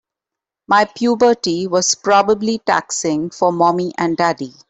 My puberty was probably taxing for mommy and daddy.